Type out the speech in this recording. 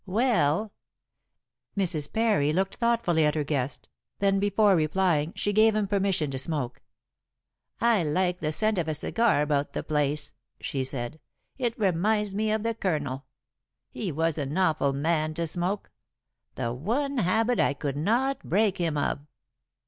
"Well " Mrs. Parry looked thoughtfully at her guest. Then, before replying, she gave him permission to smoke. "I like the scent of a cigar about the place," she said; "it reminds me of the Colonel. He was an awful man to smoke. The one habit I could not break him of."